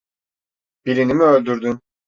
Birini mi öldürdün?